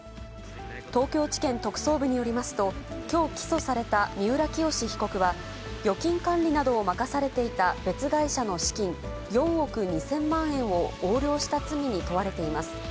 東京地検特捜部によりますと、きょう起訴された三浦清志被告は、預金管理などを任されていた別会社の資金、４億２０００万円を横領した罪に問われています。